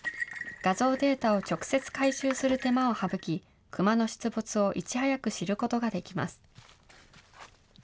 画像データを直接回収する手間を省き、クマの出没をいち早く知ることができます。